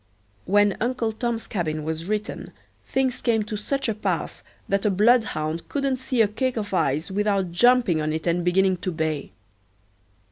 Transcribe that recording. When "Uncle Tom's Cabin" was written things came to such a pass that a bloodhound couldn't see a cake of ice without jumping on it and beginning to bay.